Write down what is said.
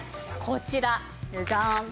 こちらジャーン。